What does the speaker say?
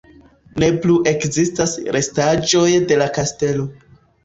Ne plu ekzistas restaĵoj de la kastelo.